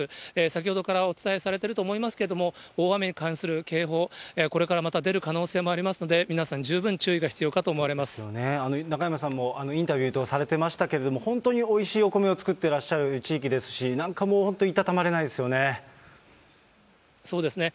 先ほどからお伝えされてると思いますけれども、大雨に関する警報、これからまた出る可能性がありますので、皆さん十分注意が必要か中山さんもインタビュー等されてましたけれども、本当においしいお米を作ってらっしゃる地域ですし、なんかもう、そうですね。